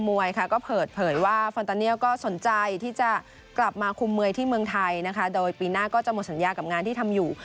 พิชัยช่วงมากเหลือไม่งามวิวว่าฟอนตาเนียลก็สนใจที่จะกลับมาคุมมวยที่เมืองไทยนะคะโดยปีหน้าก็จะหมดสัญญากับงานที่ทำอยู่